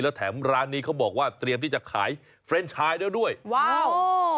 แล้วแถมร้านนี้เขาบอกว่าเตรียมที่จะขายเฟรนชายแล้วด้วยว้าว